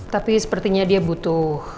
tapi sepertinya dia butuh